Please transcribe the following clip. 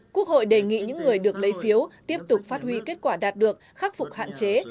quốc hội đề nghị những người được lấy phiếu tiếp tục phát huy kết quả đạt được khắc phục hạn chế